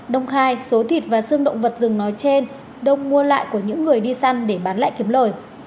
đông khai số thịt và xương động vật rừng nói trên đông mua lại của những người đi săn để bán lại kiếm lời